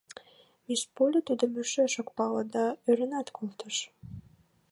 Мисс Полли тудым йӧршеш ок пале да ӧрынат колтыш.